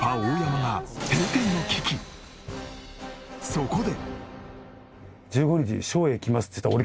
そこで。